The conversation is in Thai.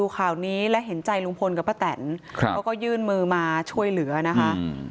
เขาก็ยื่นมือมาช่วยเหลือนะคะ